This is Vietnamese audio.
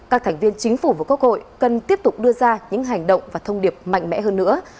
các thành viên chính phủ và quốc hội cần tiếp tục đưa ra những hành động và thông điệp mạnh mẽ hơn nữa